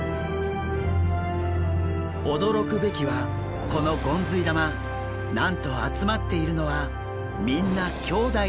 驚くべきはこのゴンズイ玉なんと集まっているのはみんな兄弟なんです。